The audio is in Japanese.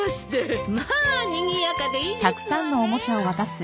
まあにぎやかでいいですわね。